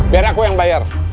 biar aku yang bayar